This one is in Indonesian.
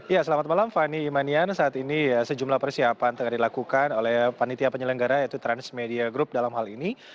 ya selamat malam fani imanian saat ini sejumlah persiapan tengah dilakukan oleh panitia penyelenggara yaitu transmedia group dalam hal ini